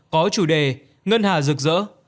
có chủ đề ngân hà rực rỡ